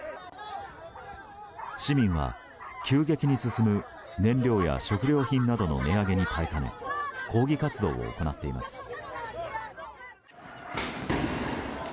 市民は急激に進む燃料や食料品などの値上げに耐えかね抗議活動を行っています。